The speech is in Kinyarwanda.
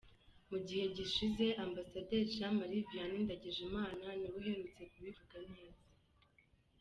Mu gihe gishize, Ambassadeur Jean Marie Vianney Ndagijimana niwe uherutse kubivuga neza!